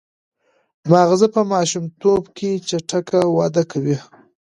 ماغزه په ماشومتوب کې چټک وده کوي.